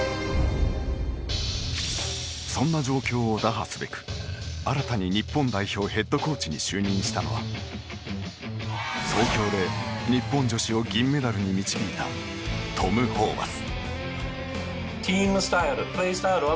そんな状況を打破すべく新たに日本代表ヘッドコーチに就任したのは東京で日本女子を銀メダルに導いた、トム・ホーバス。